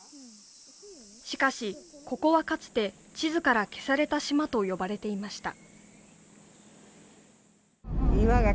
しかしここはかつて地図から消された島と呼ばれていました。